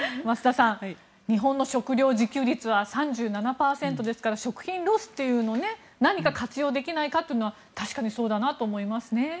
増田さん、日本の食料自給率は３７％ですから食品ロスというのを何かに活用できないかというのは確かにそうだなと思いますね。